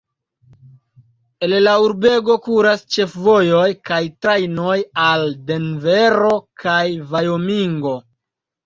El la urbego kuras ĉefvojoj kaj trajnoj al Denvero kaj Vajomingo.